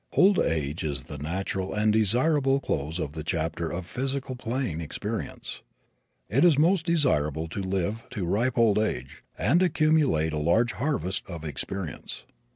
Old age is the natural and desirable close of the chapter of physical plane experience. It is most desirable to live to ripe old age and accumulate a large harvest of experience.